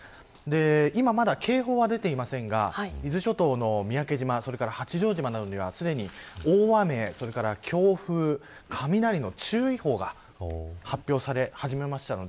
今はまだ警報は出ていませんが伊豆諸島の三宅島八丈島などにはすでに大雨それから強風、雷の注意報が発表され始めました。